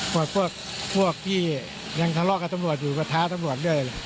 พวกที่ยังทะเลาะกับตำรวจอยู่ก็ท้าตำรวจด้วย